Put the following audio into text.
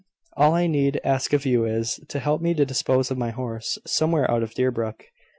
All I need ask of you is, to help me to dispose of my horse, somewhere out of Deerbrook."